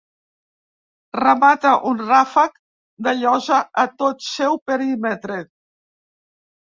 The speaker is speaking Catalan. Remata un ràfec de llosa a tot seu perímetre.